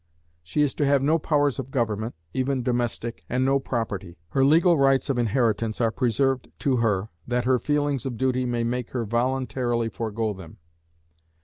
She is to have no powers of government, even domestic, and no property. Her legal rights of inheritance are preserved to her, that her feelings of duty may make her voluntarily forego them.